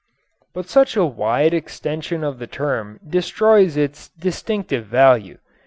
But such a wide extension of the term destroys its distinctive value.